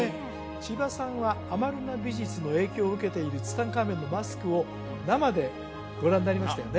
千葉さんはアマルナ美術の影響を受けているツタンカーメンのマスクを生でご覧になりましたよね